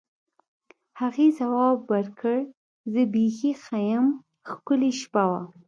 هغې ځواب ورکړ: زه بیخي ښه یم، ښکلې شپه وه.